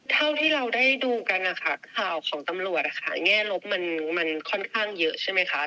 เท่าที่เราได้ดูกันนะคะข่าวของตำรวจแง่ลบมันค่อนข้างเยอะใช่ไหมคะ